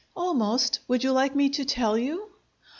"Almost. Would you like me to tell you?"